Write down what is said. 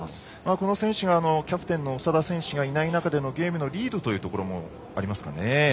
この選手がキャプテンの長田選手がいない中でのゲームのリードというところもありますね。